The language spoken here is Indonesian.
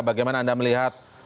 bagaimana anda melihat